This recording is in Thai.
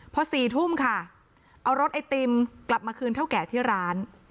พอ๔ทุ่มค่ะเอารถไอติมกลับมาคืนเท่าแก่ที่ร้าน